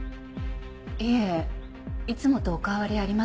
いえいつもとお変わりありませんでした。